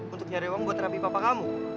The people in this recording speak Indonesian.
untuk nyari uang buat rapi papa kamu